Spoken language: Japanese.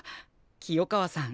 清川さん